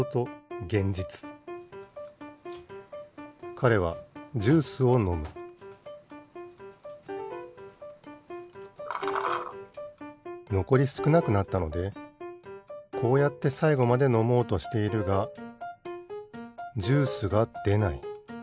かれはジュースをのむのこりすくなくなったのでこうやってさいごまでのもうとしているがジュースがでない。